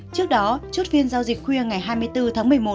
trước đó chốt phiên giao dịch khuya ngày hai mươi bốn tháng một mươi một